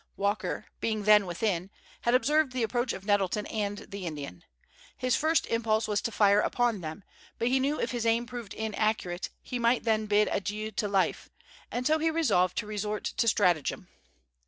Walker being then within, had observed the approach of Nettleton and the Indian. His first impulse was to fire upon them; but he knew if his aim proved inaccurate he might then bid adieu to life, and so he resolved to resort to stratagem.